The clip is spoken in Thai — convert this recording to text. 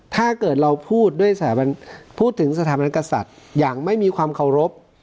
ถ้าเกิดเราพูดด้วยพูดถึงสถาบันกษัตริย์อย่างไม่มีความเคารพ